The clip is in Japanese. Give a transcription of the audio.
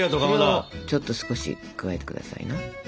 それをちょっと少し加えてくださいな。